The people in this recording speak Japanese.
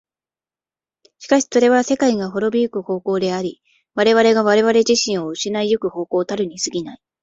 しかしそれは世界が亡び行く方向であり、我々が我々自身を失い行く方向たるに過ぎない。